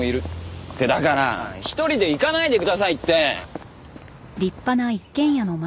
ってだから１人で行かないでくださいって！